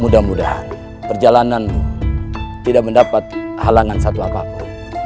mudah mudahan perjalananmu tidak mendapat halangan satu apapun